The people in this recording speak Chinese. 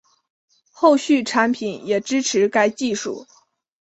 后续产品也支持该技术